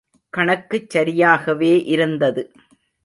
கணக்குச் சரியாகவே இருந்தது.